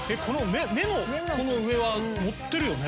目の上は盛ってるよね。